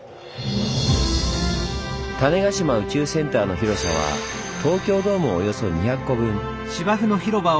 種子島宇宙センターの広さは東京ドームおよそ２００個分。